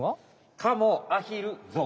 カモアヒルゾウ。